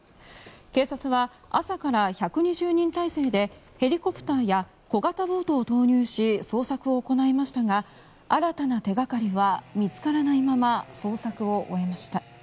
警察は朝から１２０人態勢でヘリコプターや小型ボートを投入し捜索を行いましたが新たな手掛かりは見つからないまま捜索を終えました。